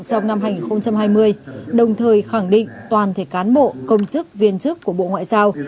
trong năm hai nghìn hai mươi đồng thời khẳng định toàn thể cán bộ công chức viên chức của bộ ngoại giao